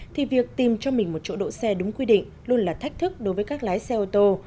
thì việc tìm cho mình một chỗ đỗ xe đúng quy định luôn là thách thức đối với các lái xe ô tô